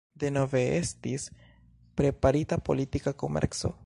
Denove estis preparita politika komerco.